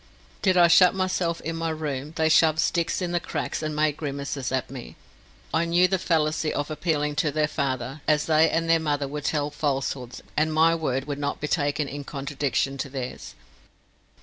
Did I shut myself in my room, they shoved sticks in the cracks and made grimaces at me. I knew the fallacy of appealing to their father, as they and their mother would tell falsehoods, and my word would not be taken in contradiction of theirs.